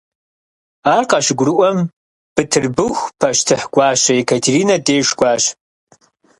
Ар къащыгурыӀуэм, Бытырбыху пащтыхь гуащэ Екатеринэ деж кӀуащ.